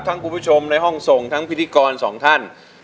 คุณผู้ชมในห้องส่งทั้งพิธีกรสองท่าน